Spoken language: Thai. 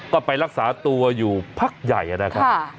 ก็ไปรักษาตัวอยู่พักใหญ่นะครับ